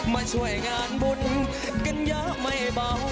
มาช่วยงานบุญกันเยอะไม่เบา